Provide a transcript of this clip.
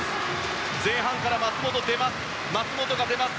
前半から松元が出ます。